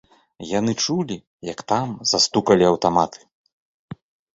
Яны чулі, як там застукалі аўтаматы.